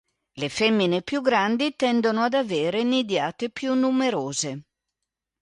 Le femmine più grandi tendono ad avere nidiate più numerose.